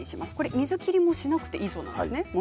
水切りもしなくていいそうなんです。